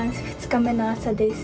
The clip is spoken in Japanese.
２日目の朝です